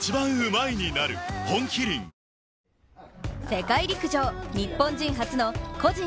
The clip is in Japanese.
世界陸上日本人初の個人